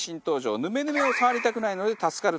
ヌメヌメを触りたくないので助かると話題のグッズです。